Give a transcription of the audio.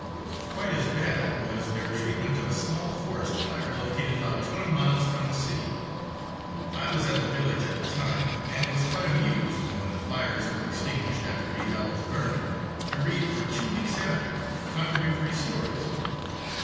Quite as bad was their treatment of a small forest fire located about twenty miles from the city. I was at the village at the time, and was quite amused, when the fires were extinguished after eight hours' burning, to read for two weeks after contradictory stories on it.